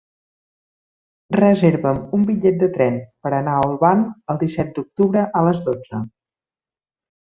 Reserva'm un bitllet de tren per anar a Olvan el disset d'octubre a les dotze.